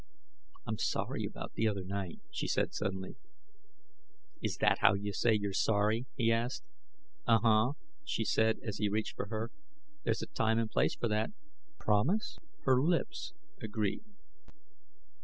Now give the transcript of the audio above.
"I'm sorry about the other night," she said suddenly. "Is that how you say you're sorry?" he asked. "Uh uh," she said, as he reached for her. "There's a time and place for that." "Promise." Her lips agreed.